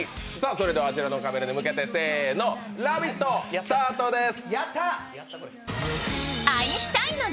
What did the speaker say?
それではあちらのカメラに向けて「ラヴィット！」スタートです。